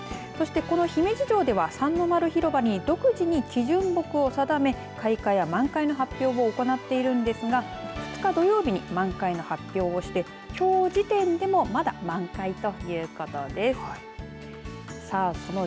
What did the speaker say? そしてこの姫路城では三の丸広場に独自に基準木を定め開花や満開の発表を行っているんですが２日土曜日に満開の発表をしてきょう時点でもまだ満開ということです。